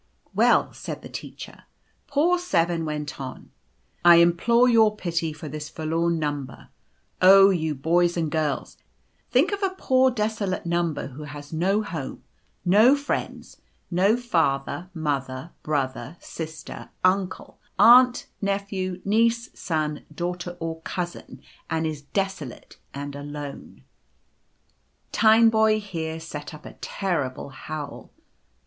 " Well," said the teacher, " poor 7 went on — 'I im plore your pity for this forlorn number. Oh, you boys and girls, think of a poor desolate number, who has no home, no friends, no father, mother, brother, sister, uncle, aunt, nephew, niece, son, daughter, or cousin, and is desolate and alone/ " Tineboy here set up a terrible howl.